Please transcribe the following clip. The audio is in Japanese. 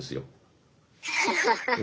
ハハハッ。